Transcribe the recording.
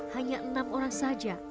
hanya enam orang saja